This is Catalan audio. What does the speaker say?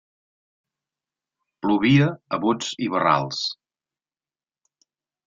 Plovia a bots i barrals.